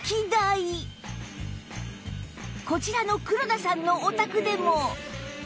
こちらの黒田さんのお宅でも